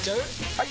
・はい！